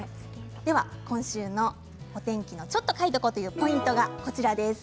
今週の「ちょっと書いとこ！」というポイントが、こちらです。